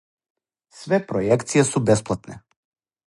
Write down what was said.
Све пројекције су бесплатне.